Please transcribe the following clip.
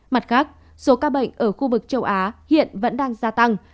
mặt khác số ca bệnh ở khu vực châu á hiện vẫn đang gia tăng